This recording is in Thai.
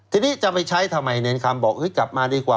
ทีนี้จะไปใช้ทำไมเนรคำบอกกลับมาดีกว่า